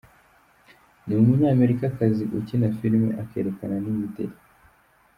Ni umunyamerikakazi ukina filime akerekana n’imideri.